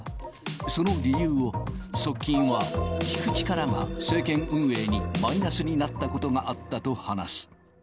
その理由を、側近は、聞く力が政権運営にマイナスになったことがあったと話す。